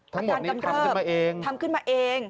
ทำข้างกำลับทำขึ้นมาเอง